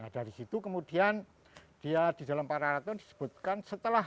nah dari situ kemudian dia di dalam para raton disebutkan